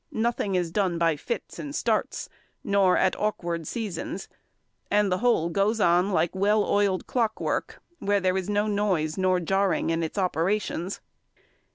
Nothing is done by fits and starts, nor at awkward seasons; the whole goes on like well oiled clockwork, where there is no noise nor jarring in its operations.